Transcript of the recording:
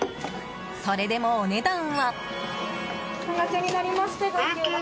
それでも、お値段は。